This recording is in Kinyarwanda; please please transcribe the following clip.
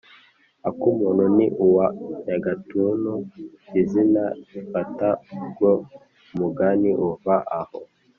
«akumuntu ni uwa nyagatuntu! izina lifata bwo; umugani uva aho.